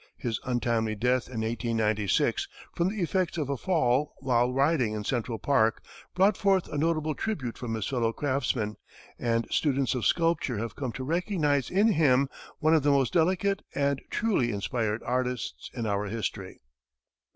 His untimely death, in 1896, from the effects of a fall while riding in Central Park, brought forth a notable tribute from his fellow craftsmen, and students of sculpture have come to recognize in him one of the most delicate and truly inspired artists in our history.